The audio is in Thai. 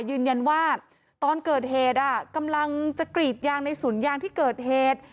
ยืนยันว่าตอนเกิดเหตุกำลังจะกรีดยางในสวนยางที่เกิดเหตุ